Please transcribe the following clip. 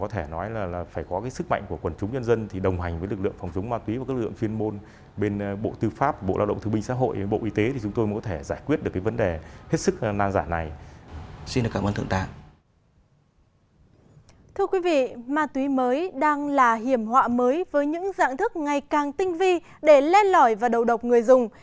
thưa quý vị ma túy mới đang là hiểm họa mới với những dạng thức ngày càng tinh vi để lên lõi và đầu độc người dùng